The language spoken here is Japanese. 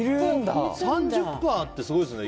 ３０％ってすごいですね。